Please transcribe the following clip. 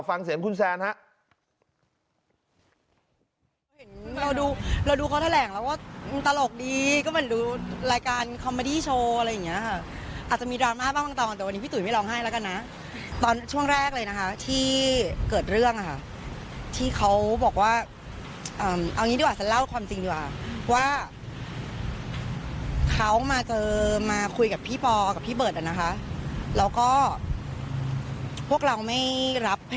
ฟังเสียงคุณแซนฮะ